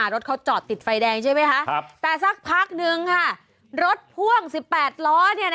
รถเขาจอดติดไฟแดงใช่ไหมคะแต่สักพักนึงค่ะรถพ่วง๑๘ล้อ